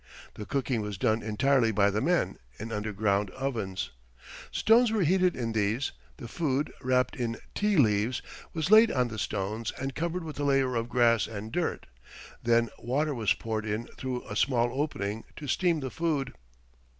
The cooking was done entirely by the men, in underground ovens. Stones were heated in these; the food, wrapped in ti leaves, was laid on the stones and covered with a layer of grass and dirt; then water was poured in through a small opening to steam the food.